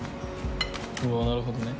うわなるほどね。